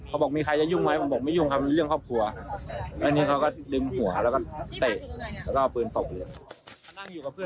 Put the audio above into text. แล้วนี้เขาก็ลืมหัวแล้วก็เตะแล้วก็เอาปืนตกเลย